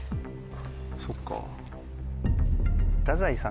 そっか。